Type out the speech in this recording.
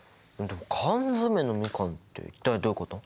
でも缶詰のみかんって一体どういうこと？